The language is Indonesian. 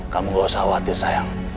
kamu gak usah khawatir sayang